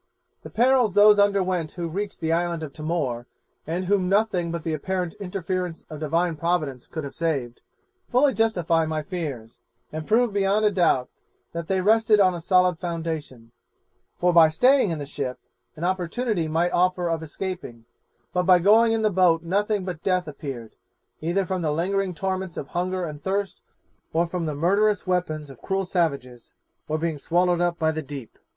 The perils those underwent who reached the island of Timor, and whom nothing but the apparent interference of Divine Providence could have saved, fully justify my fears, and prove beyond a doubt that they rested on a solid foundation; for by staying in the ship, an opportunity might offer of escaping, but by going in the boat nothing but death appeared, either from the lingering torments of hunger and thirst, or from the murderous weapons of cruel savages, or being swallowed up by the deep.